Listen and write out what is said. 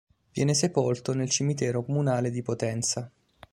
Viene sepolto nel cimitero comunale di Potenza.